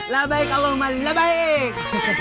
labaik allahumma labaik